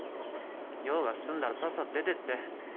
用が済んだらサッサと出てって。